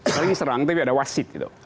paling serang tapi ada wasit gitu